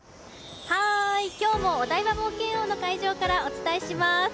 今日もお台場冒険王の会場からお伝えします。